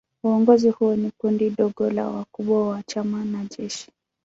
Uongozi huo ni kundi dogo la wakubwa wa chama na jeshi.